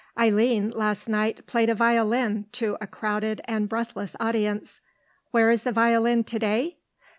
Eileen last night played a violin to a crowded and breathless audience. Where is the violin to day?